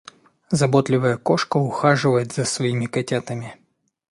Заботливая кошка ухаживает за своими котятами.